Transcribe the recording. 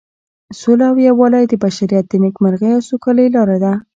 سوله او یووالی د بشریت د نیکمرغۍ او سوکالۍ لاره ده.